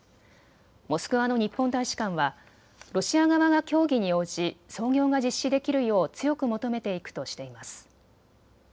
モスクワの日本大使館はロシア側が協議に応じ操業が実施できるよう強く求めていくとしています。